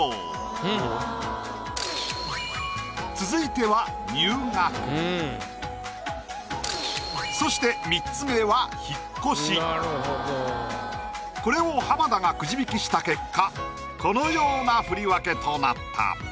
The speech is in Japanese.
続いてはそして３つ目はこれを浜田がくじ引きした結果このような振り分けとなった。